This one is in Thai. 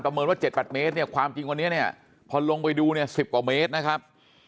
ประเมินว่า๗๘เมตรความจริงวันนี้พอลงไปดู๑๐กว่าเมตรนะครับ